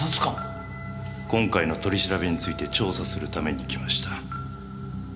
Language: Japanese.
今回の取り調べについて調査するために来ました。